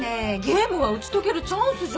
ゲームは打ち解けるチャンスじゃん。